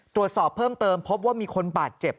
ตรวจสอบเพิ่มเติมพบว่ามีคนบาดเจ็บ